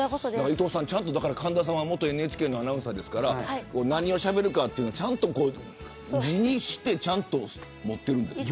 伊藤さん、神田さんは元ＮＨＫのアナウンサーですから何をしゃべるかちゃんと字にしてちゃんと持っているんです。